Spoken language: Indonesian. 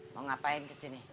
mau ngapain kesini